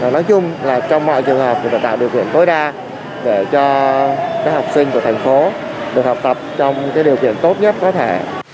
nói chung là trong mọi trường học thì phải tạo điều kiện tối đa để cho các học sinh của thành phố được học tập trong điều kiện tốt nhất có thể